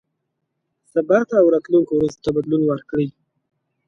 سبا ته او راتلونکو ورځو ته بدلون ورکړئ.